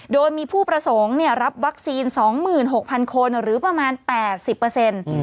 โดยมีผู้ประสงค์รับวัคซีน๒๖๐๐คนหรือประมาณ๘๐เปอร์เซ็นต์